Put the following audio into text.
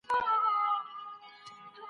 تر نامه سم مُلاجانه